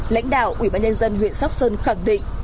lãnh đạo ủy ban nhân dân huyện sóc sơn khẳng định